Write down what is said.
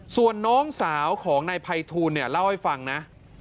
ส่วนน้องสาวของนายไพทูลเล่าให้ฟังนะ